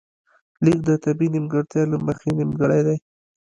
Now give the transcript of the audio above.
ليک د طبیعي نیمګړتیا له مخې نیمګړی دی